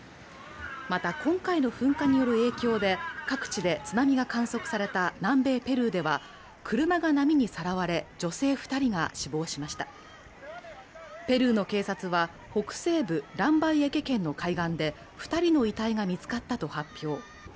また今回の噴火による影響で各地で津波が観測された南米ペルーでは車が波にさらわれ女性二人が死亡しましたペルーの警察は北西部ランバイエケ県の海岸で二人の遺体が見つかったと発表